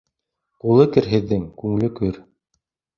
Ҡулы керһеҙҙең күңеле көр.